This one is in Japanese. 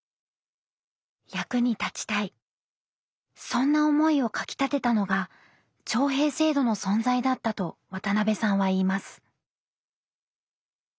そんな思いをかきたてたのが徴兵制度の存在だったと渡辺さんは言います。